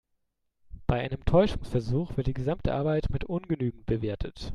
Bei einem Täuschungsversuch wird die gesamte Arbeit mit ungenügend bewertet.